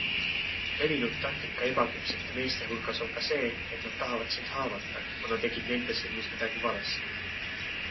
Levinud taktika ebaküpsete meeste hulgas on ka see, et nad tahavad sind haavata, kuna tegid nende silmis midagi valesti.